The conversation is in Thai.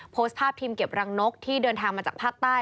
โพสต์ภาพทีมเก็บรังนกที่เดินทางมาจากภาคใต้